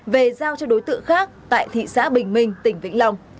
về giao cho đối tượng khác tại thị xã bình minh tỉnh vĩnh long